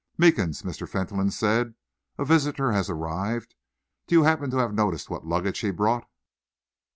"Meekins," Mr. Fentolin said, "a visitor has arrived. Do you happen to have noticed what luggage he brought?"